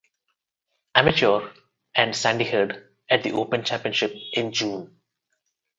Amateur and Sandy Herd at The Open Championship in June.